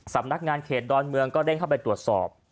สำนักงานเขตดอนเมืองก็เร่งเข้าไปตรวจสอบ